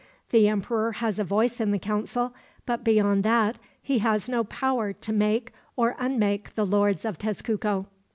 The emperor has a voice in the council, but beyond that he has no power to make or unmake the Lords of Tezcuco."